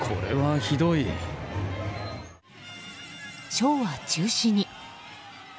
ショーは中止に。